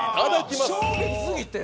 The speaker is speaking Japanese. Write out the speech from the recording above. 衝撃過ぎて。